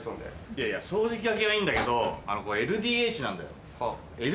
いやいや掃除機がけはいいんだけどここＬＤＨなんだよ。